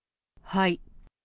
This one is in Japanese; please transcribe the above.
はい。